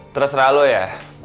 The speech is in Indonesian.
terus terang lo ya